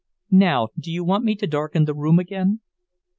"Now, do you want me to darken the room again?"